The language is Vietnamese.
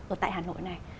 ở tại hà nội này